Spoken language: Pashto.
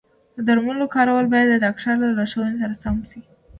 د درملو کارول باید د ډاکټر د لارښوونې سره سم وي.